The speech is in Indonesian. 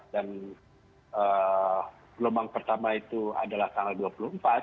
dan gelombang pertama itu adalah tanggal dua puluh empat